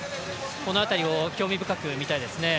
この辺りを興味深く見たいですね。